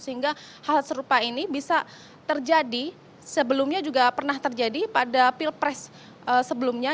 sehingga hal serupa ini bisa terjadi sebelumnya juga pernah terjadi pada pilpres sebelumnya